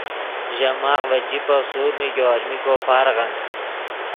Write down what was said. ژے ماخ ڤے جیبف سورڤ نیگو المین کو پارغن